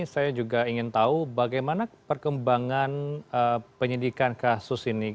saya juga ingin tahu bagaimana perkembangan penyidikan kasus ini